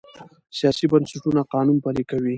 سیاسي بنسټونه قانون پلي کوي